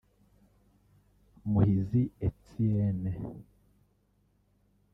Muhizi Etienne